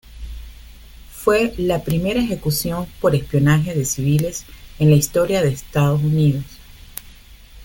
Fue la primera ejecución por espionaje de civiles en la historia de Estados Unidos.